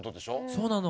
そうなの。